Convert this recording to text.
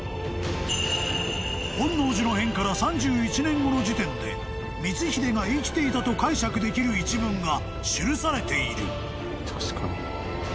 ［本能寺の変から３１年後の時点で光秀が生きていたと解釈できる一文が記されている］